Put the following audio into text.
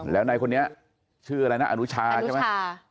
แล้วในคนนี้ชื่ออะไรนะอนุชาใช่ไหม